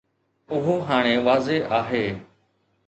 اهو هاڻي واضح آهي.